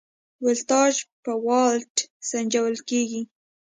ولتاژ په ولټ سنجول کېږي.